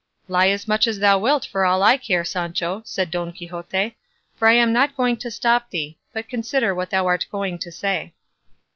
"Lie as much as thou wilt for all I care, Sancho," said Don Quixote, "for I am not going to stop thee, but consider what thou art going to say."